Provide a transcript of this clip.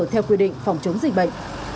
theo quy định phòng chống dịch bệnh